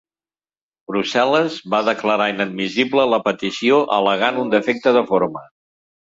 Brussel·les va declarar inadmissible la petició al·legant un defecte de forma.